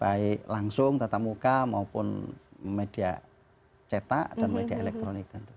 baik langsung tatap muka maupun media cetak dan media elektronik tentu